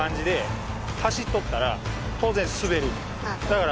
だから。